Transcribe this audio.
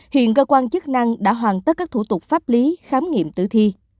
hiện cơ quan chức năng đã hoàn tất các thủ tục pháp lý khám nghiệm tử thi